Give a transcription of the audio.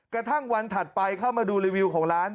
กระทั่งวันถัดไปเข้ามาดูรีวิวของร้าน